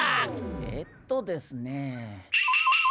えっとですね。